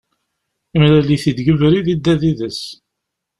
Yemlal-it-id deg ubrid, yedda yid-s.